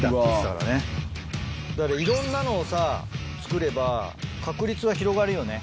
だからいろんなのをさ作れば確率が広がるよね。